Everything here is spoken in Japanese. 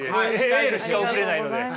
エールしか送れないので。